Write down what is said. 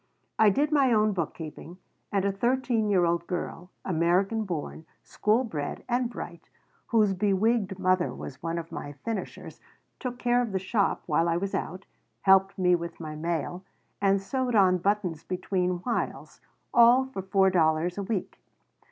I did my own bookkeeping, and a thirteen year old girl, American born, school bred, and bright, whose bewigged mother was one of my finishers, took care of the shop while I was out, helped me with my mail, and sewed on buttons between whiles all for four dollars a week.